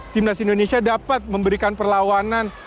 timnas indonesia dapat memberikan perlawanan